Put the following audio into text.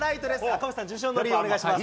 赤星さん、受賞の理由をお願いします。